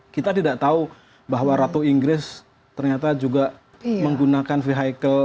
kita tidak tahu bahwa ratu inggris ternyata juga menggunakan vehicle